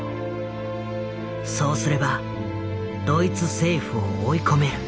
そうすればドイツ政府を追い込める。